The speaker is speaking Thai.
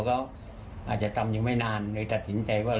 เขาอาจจะตำยังไม่นานเลยตัดสินใจว่า